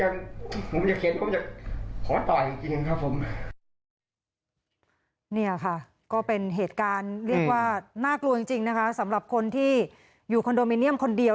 เนี่ยค่ะก็เป็นเหตุการณ์เรียกว่าน่ากลัวจริงนะคะสำหรับคนที่อยู่คอนโดมิเนียมคนเดียว